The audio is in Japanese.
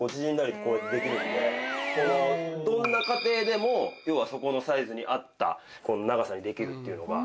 どんな家庭でも要はそこのサイズに合った長さにできるっていうのが。